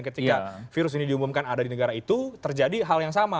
ketika virus ini diumumkan ada di negara itu terjadi hal yang sama